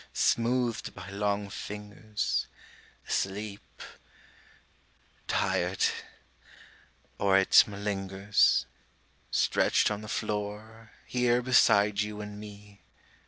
Smoothed by long fingers, Asleep ... tired ... or it malingers, Stretched on the floor, here beside you and me.